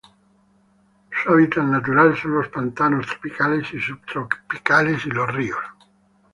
Su hábitat natural son los pantanos tropicales y subtropicales y ríos.